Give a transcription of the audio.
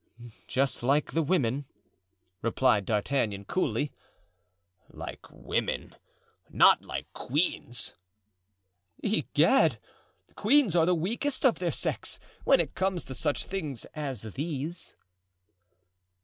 "Just like the women," replied D'Artagnan, coolly. "Like women, not like queens." "Egad! queens are the weakest of their sex, when it comes to such things as these."